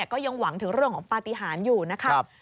ก็ยังหวังถึงเรื่องของปฏิหารอยู่นะครับ